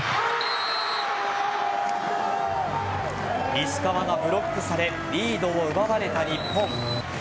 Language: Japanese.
石川がブロックされリードを奪われた日本。